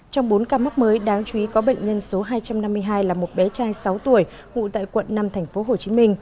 trong bốn ca mắc mới đáng chú ý có bệnh nhân số hai trăm năm mươi hai là một bé trai sáu tuổi ngụ tại quận năm tp hcm